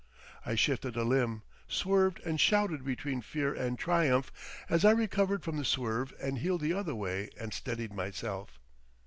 I shifted a limb, swerved and shouted between fear and triumph as I recovered from the swerve and heeled the other way and steadied myself.